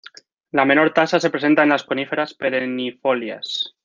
La menor tasa se presenta en las coníferas perennifolias.